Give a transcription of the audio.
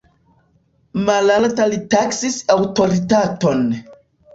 Malalta li taksis aŭtoritaton.